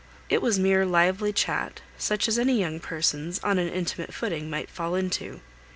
It was mere lively chat, such as any young persons, on an intimate footing, might fall into.